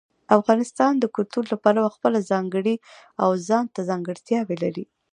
افغانستان د کلتور له پلوه خپله ځانګړې او ځانته ځانګړتیاوې لري.